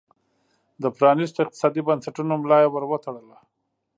د پرانیستو اقتصادي بنسټونو ملا یې ور وتړله.